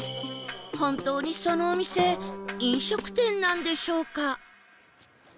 本当にそのお店飲食店なんでしょうか？